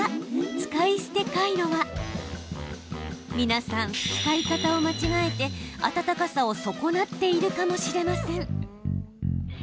使い捨てカイロは皆さん、使い方を間違えて温かさを損なっているかもしれません。